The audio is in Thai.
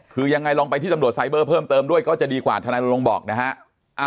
คือยังไงลองไปที่ตำรวจไซเบอร์เพิ่มเติมด้วยก็จะดีกว่าทนายลงบอกนะฮะ